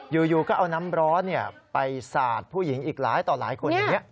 อยู่ก็เอาน้ำร้อนไปสาดผู้หญิงอีกหลายต่อหลายคนอย่างนี้